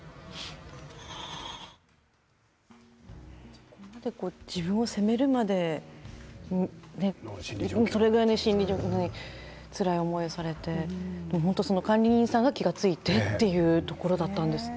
ここまで自分を責めるまでそれぐらいの心理でつらい思いをされて本当に、その管理人さんが気が付いてというところだったんですね。